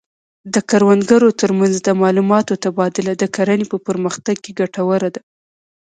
د کروندګرو ترمنځ د معلوماتو تبادله د کرنې په پرمختګ کې ګټوره ده.